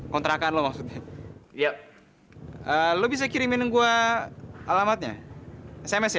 kontrakan lo maksudnya iya lo bisa kirimin gua alamatnya sms ya